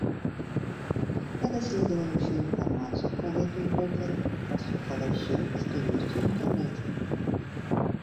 Я даследавала ўсю інфармацыю пра гэтую оперу, праслухала ўсё, што ёсць у інтэрнэце.